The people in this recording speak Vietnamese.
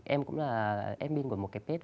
em cũng là admin của một cái page